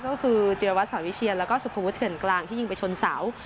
ก็คือจิรวัตรสอนวิเชียนแล้วก็สุภวุฒเถื่อนกลางที่ยิงไปชนเสา